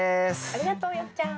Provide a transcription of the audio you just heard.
ありがとうよっちゃん。